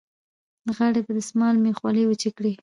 د غاړې په دستمال مې خولې وچې کړې.